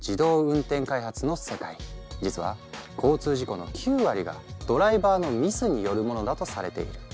実は交通事故の９割がドライバーのミスによるものだとされている。